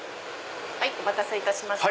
はいお待たせいたしました